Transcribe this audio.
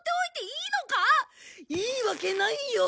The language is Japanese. いいわけないよ！